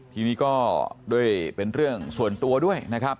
ทีนี้ก็ด้วยเป็นเรื่องส่วนตัวด้วยนะครับ